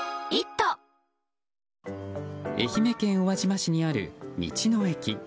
愛媛県宇和島市にある道の駅。